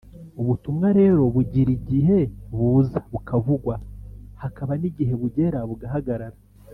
ubutumwa rero bugira igihe buza bukavugwa hakaba n’igihe bugera bugahagarara